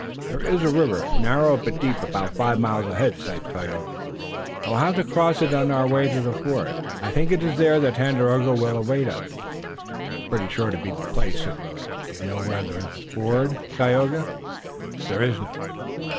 "There is a river, narrow but deep, about five miles ahead," said Tayoga, "and we'll have to cross it on our way to the fort. I think it is there that Tandakora will await us." "It's pretty sure to be the place," said Willet. "Do you know where there's a ford, Tayoga?" "There is none."